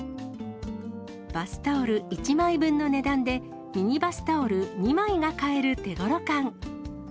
バスタオル１枚分の値段でミニバスタオル２枚が買える手ごろ感。